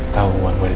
tahu wang gue disini